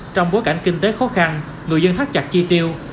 trong bối cảnh kinh tế khó khăn người dân thắt chặt chi tiêu